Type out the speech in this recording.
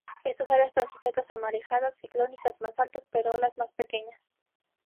Estas áreas están sujetas a marejadas ciclónicas más altas, pero olas más pequeñas.